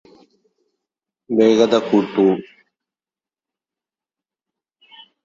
വേഗത കൂട്ടൂ